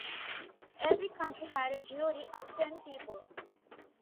Every country had a jury of ten people.